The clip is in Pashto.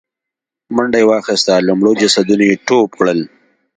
منډه يې واخيسته، له مړو جسدونو يې ټوپ کړل.